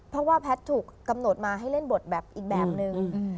เพราะว่าแพทย์ถูกกำหนดมาให้เล่นบทแบบอีกแบบนึง